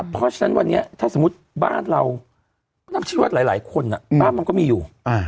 เพราะฉะนั้นวันนี้ถ้าสมมุติบ้านเราเชื่อว่าหลายคนบ้านมันก็มีอยู่